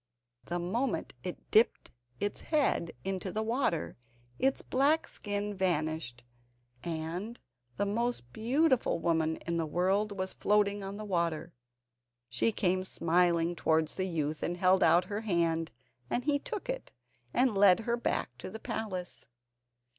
The moment it dipped its head into the water its black skin vanished, and the most beautiful woman in the world was floating on the water. She came smiling towards the youth, and held out her hand, and he took it and led her back to the palace.